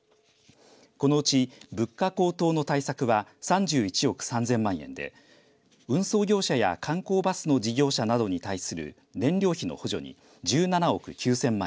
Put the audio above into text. このうち物価高騰の対策は３１億３０００万円で運送業者や観光バスの事業者などに対する燃料費の補助に１７億９０００万円